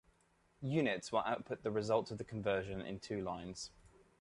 "Units" will output the result of the conversion in two lines.